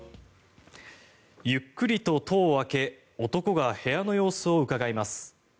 ゆっくりと戸を開け男が部屋の様子をうかがいます。